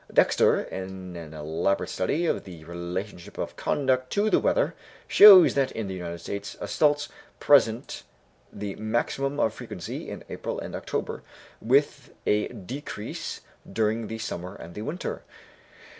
Dexter, in an elaborate study of the relationship of conduct to the weather, shows that in the United States assaults present the maximum of frequency in April and October, with a decrease during the summer and the winter.